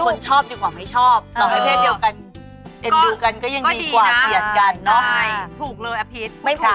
ก็ดีกว่าเขียนกัน